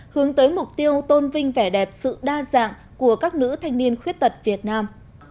hướng tới mục tiêu tôn vinh vẻ đẹp sự đa dạng của các nữ thanh niên khuyết tật việt nam